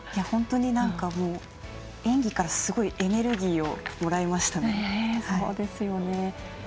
本当に、演技からすごいエネルギーをもらいました。